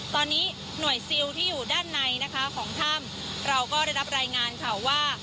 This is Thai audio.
ตอนนี้หน่วยซิลที่อยู่ด้านในนะคะของถ้ำเราก็ได้รับรายงานข่าวว่า